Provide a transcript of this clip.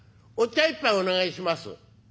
お茶一杯お願いします」。